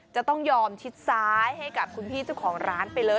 จะต้องยอมชิดซ้ายให้กับคุณพี่เจ้าของร้านไปเลย